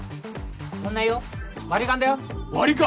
おごんないよ割り勘だよ割り勘！？